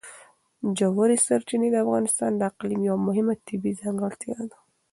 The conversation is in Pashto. ژورې سرچینې د افغانستان د اقلیم یوه مهمه طبیعي ځانګړتیا ده.